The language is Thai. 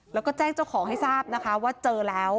แล้วก็แจ้งเจ้าของให้ทราบนะคะว่าเจอแล้ว